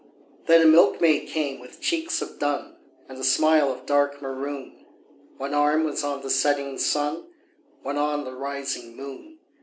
Then a milkmaid came with cheeks of dun And a smile of dark maroon, One arm was on the setting sun, One on the rising moon.